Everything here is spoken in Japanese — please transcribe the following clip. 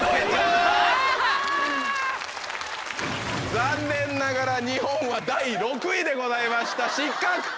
残念ながら日本は第６位でございました失格！